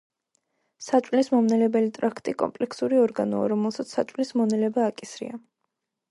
საჭმლის მომნელებელი ტრაქტი კომპლექსური ორგანოა, რომელსაც საჭმლის მონელება აკისრია.